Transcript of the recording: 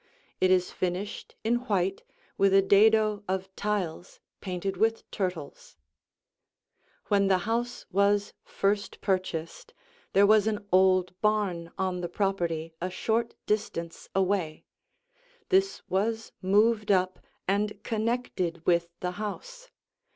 It is finished in white with a dado of tiles painted with turtles. [Illustration: The Lounge] When the house was first purchased, there was an old barn on the property a short distance away. This was moved up and connected with the house.